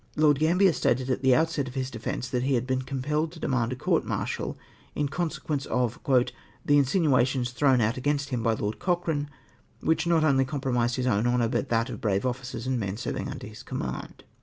Lord Gambler stated at the outset of his defence, that he had been compelled to demand a court martial in consequence of " the insinuations thrown out against him by Lord Cochrane, which not only compromised his own honour, but that of brave officers and men serving under his command."